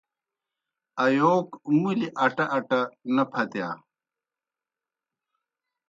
ایَوک مُلیْ اٹہ اٹہ نہ پھتِیا۔